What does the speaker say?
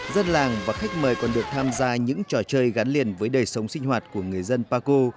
dân làng và khách mời còn được tham gia những trò chơi gắn liền với đời sống sinh hoạt của người dân paco